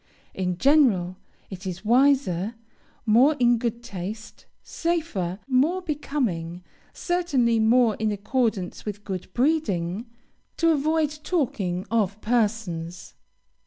In general, it is wiser, more in good taste, safer, more becoming, certainly more in accordance with good breeding, to avoid talking of persons.